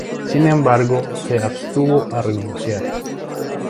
Sin embargo se abstuvo a renunciar.